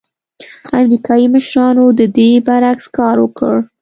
امریکايي مشرانو د دې برعکس کار وکړ.